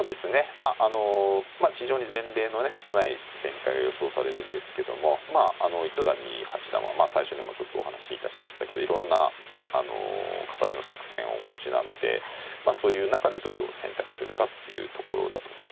まああの非常に前例の少ない展開が予想されるんですけどもまあ糸谷八段は最初にもちょっとお話しいたしましたけどいろんな形の作戦をお持ちなのでまあそういう中でどれを選択するかっていうところだと思いますねはい。